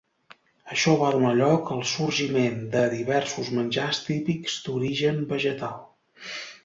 Això va donar lloc al sorgiment de diversos menjars típics d'origen vegetal.